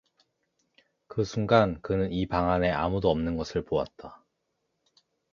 그 순간 그는 이 방 안에 아무도 없는 것을 보았다.